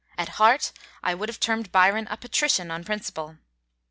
At heart I would have termed Byron a patrician on principle."